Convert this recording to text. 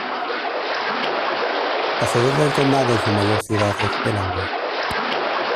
La sede del condado y su mayor ciudad es Delaware.